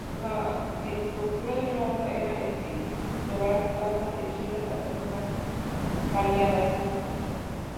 La estructura de su obra era epistolar: cartas dirigidas a personas variadas.